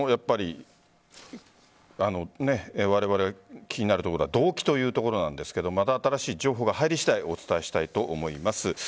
われわれが気になるところは動機ということですがまた新しい情報が入り次第お伝えしたいと思います。